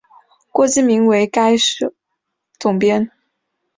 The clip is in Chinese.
郭敬明为该社总编。